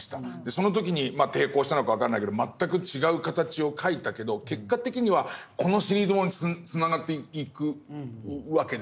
その時にまあ抵抗したのか分かんないけど全く違う形を描いたけど結果的にはこのシリーズものにつながっていくわけですよね。